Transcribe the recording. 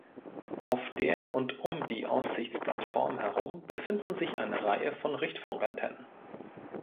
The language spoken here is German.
Auf der und um die Aussichtsplattform herum befinden sich eine Reihe von Richtfunkantennen.